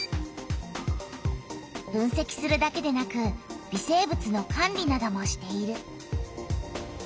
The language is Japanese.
分せきするだけでなく微生物の管理などもしている。